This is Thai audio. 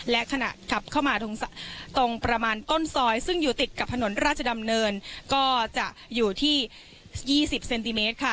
และขณะขับเข้ามาตรงประมาณต้นซอยซึ่งอยู่ติดกับถนนราชดำเนินก็จะอยู่ที่๒๐เซนติเมตรค่ะ